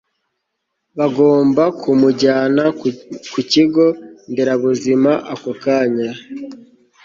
bagomba kumujyana ku kigo nderabuzima ako kanya